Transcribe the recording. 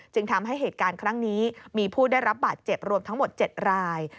ทำให้เหตุการณ์ครั้งนี้มีผู้ได้รับบาดเจ็บรวมทั้งหมด๗ราย